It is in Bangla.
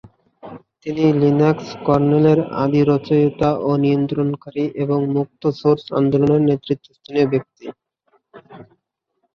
তিনি লিনাক্স কার্নেলের আদি রচয়িতা ও নিয়ন্ত্রণকারী এবং মুক্ত সোর্স আন্দোলনের নেতৃস্থানীয় ব্যক্তি।